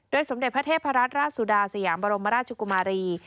สมเด็จพระเทพรัตนราชสุดาสยามบรมราชกุมารี